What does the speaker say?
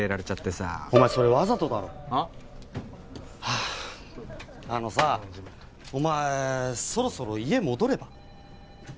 ああのさお前そろそろ家戻れば？